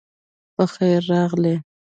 پخير راغلې